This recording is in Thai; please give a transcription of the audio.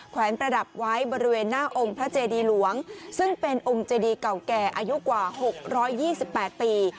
แวนประดับไว้บริเวณหน้าองค์พระเจดีหลวงซึ่งเป็นองค์เจดีเก่าแก่อายุกว่า๖๒๘ปี